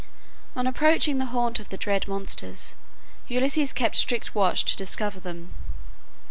On approaching the haunt of the dread monsters, Ulysses kept strict watch to discover them.